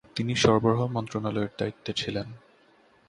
তিনি সরবরাহ মন্ত্রণালয়ের দায়িত্বে ছিলেন।